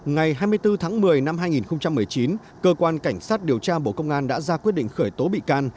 ngày hai mươi bốn tháng một mươi năm hai nghìn một mươi chín cơ quan cảnh sát điều tra bộ công an đã ra quyết định khởi tố bị can